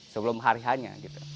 sebelum hari hanya